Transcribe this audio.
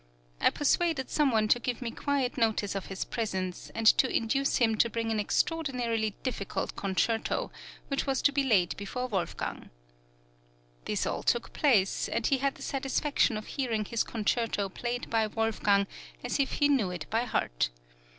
I persuaded some one to give me quiet notice of his presence, and to induce him to bring an extraordinarily difficult concerto, which was to be laid before Wolfgang. This all took place, and he had the satisfaction of hearing his concerto played by Wolfgang as if he knew it by heart.